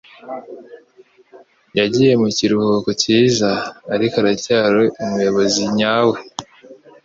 Yagiye mu kiruhuko cyiza, ariko aracyari umuyobozi nyawe.